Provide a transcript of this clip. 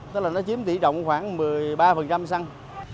tức là nó chiếm tỷ trọng khoảng một mươi ba xăng